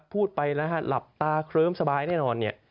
พูดไปแล้วฮะหลับตาเคลิ้มสบายแน่นอนเนี่ย